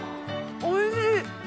おいしい！